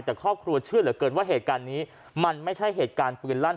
แต่ครอบครัวเชื่อเหลือเกินว่าเหตุการณ์นี้มันไม่ใช่เหตุการณ์ปืนลั่น